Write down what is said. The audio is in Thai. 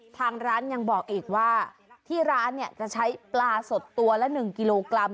ทางร้านยังบอกอีกว่าที่ร้านเนี่ยจะใช้ปลาสดตัวละ๑กิโลกรัม